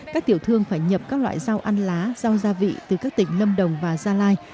các tiểu thương phải nhập các loại rau ăn lá dao gia vị từ các tỉnh lâm đồng và gia lai